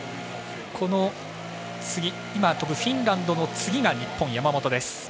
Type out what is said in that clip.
今、飛ぶフィンランドの次が日本、山本です。